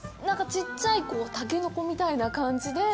ちっちゃいタケノコみたいな感じで。